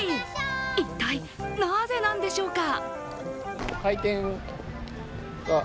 一体なぜなんでしょうか？